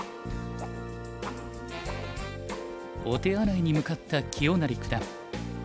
お手洗いに向かった清成九段。